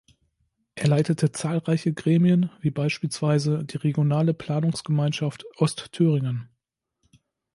Er leitete zahlreiche Gremien wie beispielsweise die Regionale Planungsgemeinschaft Ostthüringen.